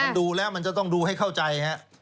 มันดูแล้วมันจะต้องดูให้เข้าใจฮะ